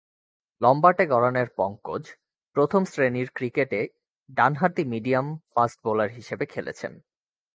লম্বাটে গড়নের পঙ্কজ প্রথম-শ্রেণীর ক্রিকেটে ডানহাতি মিডিয়াম ফাস্ট বোলার হিসেবে খেলছেন।